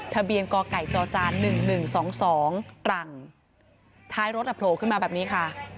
ทะเบียนก่อไก่จอจานหนึ่งหนึ่งสองสองกลังท้ายรถอับโผล่ขึ้นมาแบบนี้ค่ะ